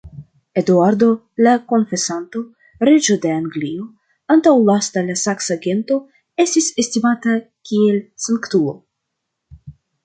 Eduardo la Konfesanto, reĝo de Anglio, antaŭlasta de saksa gento, estis estimata kiel sanktulo.